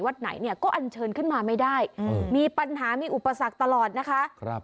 ไหนเนี่ยก็อันเชิญขึ้นมาไม่ได้มีปัญหามีอุปสรรคตลอดนะคะ